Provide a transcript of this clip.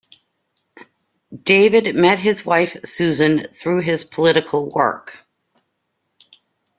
David met his wife, Susan, through his political work.